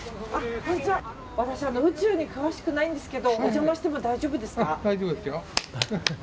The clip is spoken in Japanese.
私、宇宙に詳しくないんですけどお邪魔しても大丈夫ですか。